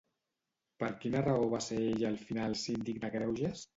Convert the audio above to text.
Per quina raó va ser ella al final síndic de greuges?